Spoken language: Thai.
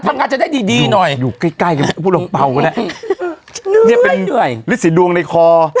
นี่เป็นริสิตรดวงในคอ